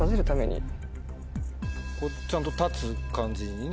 ちゃんと立つ感じにね。